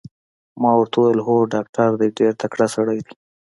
ما ورته وویل: هو ډاکټر دی، ډېر تکړه سړی دی.